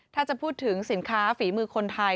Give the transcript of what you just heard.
ถ้าจะพูดถึงสินค้าฝีมือคนไทย